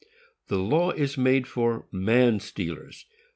The law is made for MAN STEALERS.